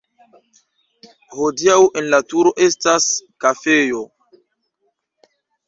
Hodiaŭ en la turo estas kafejo.